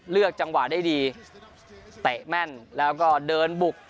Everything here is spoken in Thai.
จังหวะได้ดีเตะแม่นแล้วก็เดินบุก